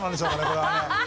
これはね。